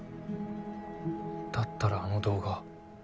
だったらあの動画。